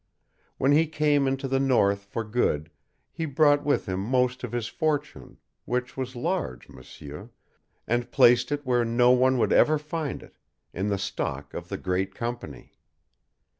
When he came into the North for good he brought with him most of his fortune which was large, m'sieur and placed it where no one would ever find it in the stock of the Great Company.